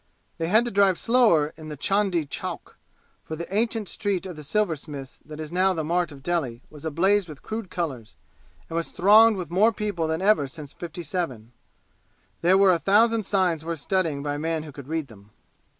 They had to drive slower in the Chandni Chowk, for the ancient Street of the Silversmiths that is now the mart of Delhi was ablaze with crude colors, and was thronged with more people than ever since '57. There were a thousand signs worth studying by a man who could read them.